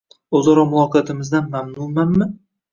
O‘zaro muloqotimizdan mamnunmanmi?